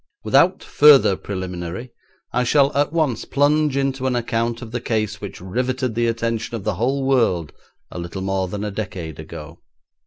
Without further preliminary I shall at once plunge into an account of the case which riveted the attention of the whole world a little more than a decade ago.